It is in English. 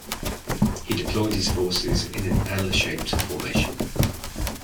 He deployed his forces in an L shaped formation.